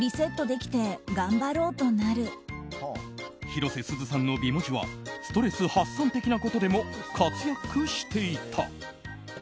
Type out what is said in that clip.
広瀬すずさんの美文字はストレス発散的なことでも活躍していた。